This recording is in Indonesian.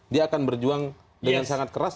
dia akan berjuang dengan sangat keras